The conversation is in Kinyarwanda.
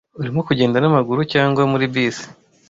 Urimo kugenda n'amaguru cyangwa muri bisi?